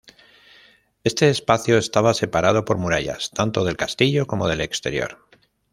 Este espacio estaba separado por murallas, tanto del castillo como del exterior.